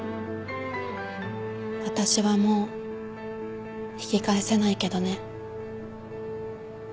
私はもう引き返せないけどね